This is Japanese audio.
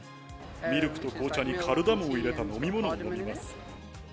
ミルクと紅茶にカルダモンを入れた飲み物を飲みます。